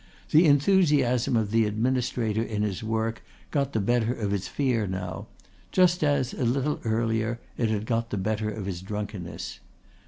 The enthusiasm of the administrator in his work got the better of his fear now, just as a little earlier it had got the better of his drunkenness.